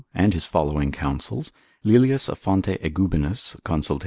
and his following counsels, Laelius a Fonte Egubinus, consult.